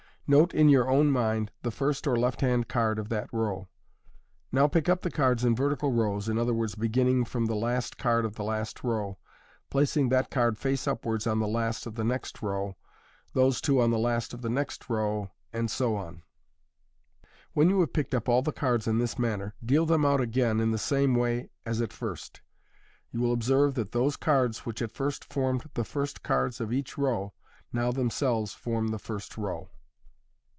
Note in your own mind the first or left hand card of that row. Now pick up the cards in vertical rows, i .«., beginning at the last card of the last row, placing that card face upwards on the last of the next row, those two on the last of the next row, and so on. When you have picked up all the cards in this manner, deal them out again in the same way as at first You will observe that those cards which at first formed the first cards of each tow, now themselves form the first row.